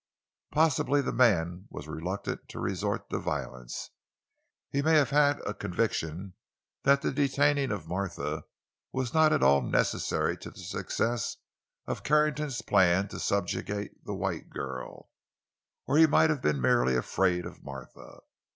Possibly the man was reluctant to resort to violence; he may have had a conviction that the detaining of Martha was not at all necessary to the success of Carrington's plan to subjugate the white girl, or he might have been merely afraid of Martha.